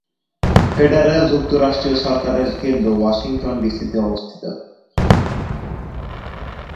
Federal যুক্তরাষ্ট্রীয় সরকারের কেন্দ্র ওয়াশিংটন ডিসি-তে অবস্থিত।